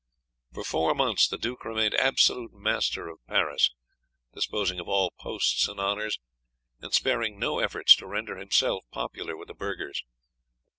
For four months the duke remained absolute master of Paris, disposing of all posts and honours, and sparing no efforts to render himself popular with the burghers.